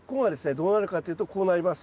どうなるかというとこうなります。